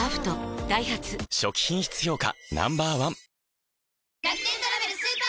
ダイハツ初期品質評価